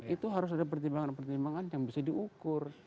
itu harus ada pertimbangan pertimbangan yang bisa diukur